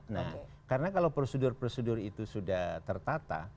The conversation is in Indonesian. nah karena kalau prosedur prosedur itu sudah tertata